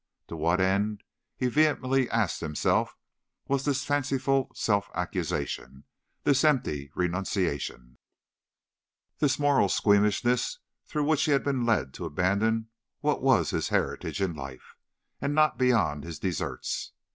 To what end, he vehemently asked himself, was this fanciful self accusation, this empty renunciation, this moral squeamishness through which he had been led to abandon what was his heritage in life, and not beyond his deserts?